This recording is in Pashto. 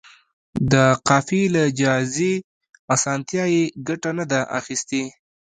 د قافیې له جائزې اسانتیا یې ګټه نه ده اخیستې.